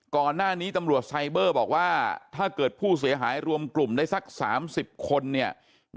ก่อนหน้านี้ตำรวจไซเบอร์บอกว่าถ้าเกิดผู้เสียหายรวมกลุ่มได้สัก๓๐คนเนี่ย